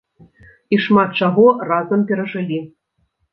І шмат чаго разам перажылі.